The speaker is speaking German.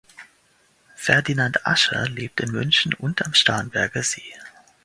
Ferdinand Ascher lebt in München und am Starnberger See.